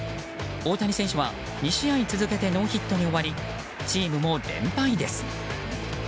大谷選手は２試合続けてノーヒットに終わりチームも連敗です。